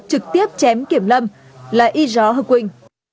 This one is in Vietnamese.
trực tiếp chém kiểm lâm là y gió hơ quỳnh